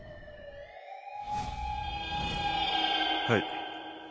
はい。